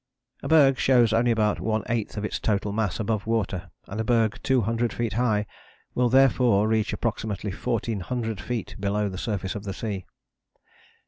A berg shows only about one eighth of its total mass above water, and a berg two hundred feet high will therefore reach approximately fourteen hundred feet below the surface of the sea.